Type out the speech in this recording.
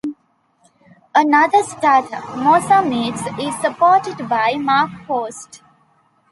Another startup, Mosa Meats, is supported by Mark Post.